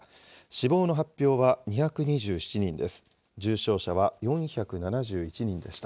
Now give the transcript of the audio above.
死亡の発表は２２７人です。